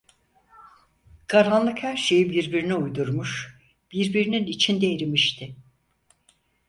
Karanlık her şeyi birbirine uydurmuş, birbirinin içinde eritmişti.